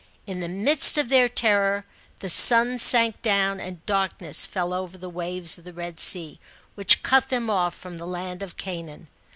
In the midst of their terror the sun sank down, and darkness fell over the. wafers of the Red Sea, which cut them off from the land of Canaan.